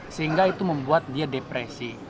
sehingga itu membuat dia depresi